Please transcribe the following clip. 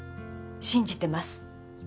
信じてます。